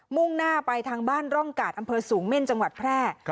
่งหน้าไปทางบ้านร่องกาดอำเภอสูงเม่นจังหวัดแพร่